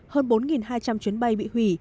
hơn bốn hai trăm linh chuyến bay bị hủy